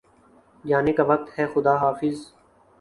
جانے کا وقت ہےخدا حافظ